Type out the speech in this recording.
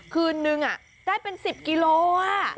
คืนนึงได้เป็น๑๐กิโล